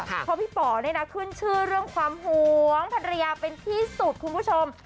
เพราะพี่ป๋อเนี่ยนะขึ้นชื่อเรื่องความหวงภรรยาเป็นที่สุดคุณผู้ชม